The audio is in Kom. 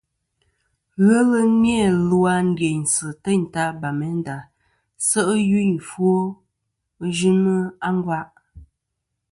Ghelɨ ni-a lu a ndiynsɨ̀ teyn ta Bamenda se' i yuyn i ɨfwo yɨnɨ a ngva.